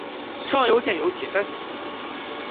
上游建有铁山水库。